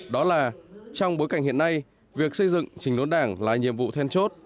đó là trong bối cảnh hiện nay việc xây dựng trình đốn đảng là nhiệm vụ then chốt